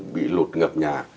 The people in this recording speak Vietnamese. bị lột ngập nhà